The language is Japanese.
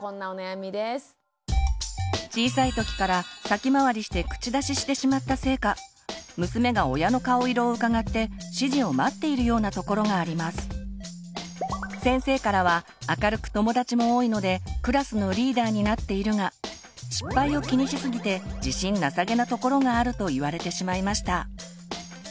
小さいときから先回りして口出ししてしまったせいか先生からは明るく友だちも多いのでクラスのリーダーになっているが失敗を気にしすぎて自信なさげなところがあると言われてしまいました。